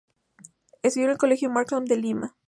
Estudió en el Colegio Markham de Lima.